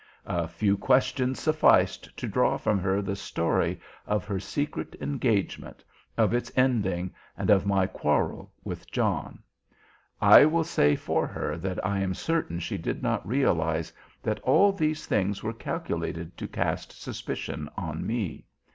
A few questions sufficed to draw from her the story of her secret engagement, of its ending, and of my quarrel with John. I will say for her that I am certain she did not realise that all these things were calculated to cast suspicion on me.